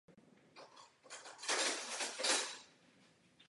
Ruprecht vyhodnotil královský boj za ztracený a odmítl za Karla dále bojovat.